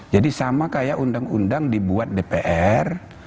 jadi sama kayak undang undang dibuat dpr